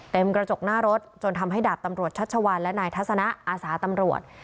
กระจกหน้ารถจนทำให้ดาบตำรวจชัชวัลและนายทัศนะอาสาตำรวจ